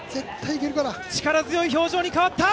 力強い表情に変わった。